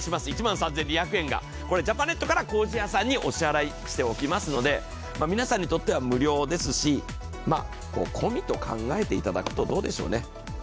これ、ジャパネットから工事屋さんにお支払いしておきますので皆さんにとっては無料ですし、込みと考えていただくとどうでしょうね？